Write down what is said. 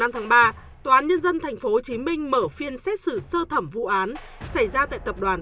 năm tháng ba tòa án nhân dân thành phố hồ chí minh mở phiên xét xử sơ thẩm vụ án xảy ra tại tập đoàn